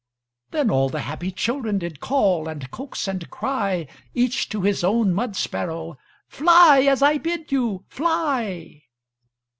Then all the happy children Did call, and coax, and cry Each to his own mud sparrow: "Fly, as I bid you! Fly!"